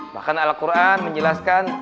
bahkan al quran menjelaskan